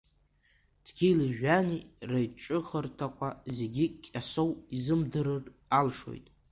Дгьыли-жәҩани реиҿыхырҭақәа зегьы Кьасоу изымдырыр алшоит.